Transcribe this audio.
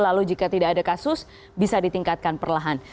lalu jika tidak ada kasus bisa ditingkatkan perlahan